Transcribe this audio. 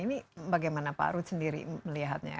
ini bagaimana pak ruth sendiri melihatnya